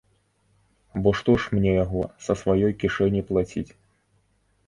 Бо што ж мне яго, са сваёй кішэні плаціць?